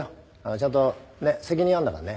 ちゃんとね責任あんだからね。